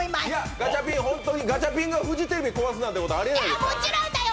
ガチャピン、本当にガチャピンがフジテレビ壊すなんてことありえないよ！